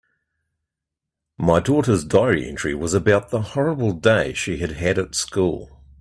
My daughter's diary entry was about the horrible day she had had at school.